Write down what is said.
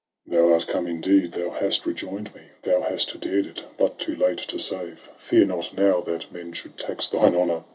Tristram. Thou art come, indeed — thou hast rejoin'd me; Thou hast dared it — but too late to save. Fear not now that men should tax thine honour!